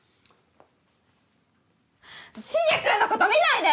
しげ君のこと見ないで！